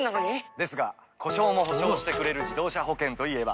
ですが故障も補償してくれる自動車保険といえば？